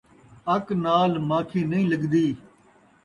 اَک نال ماکھی نئیں لڳدی